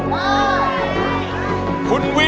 ไม่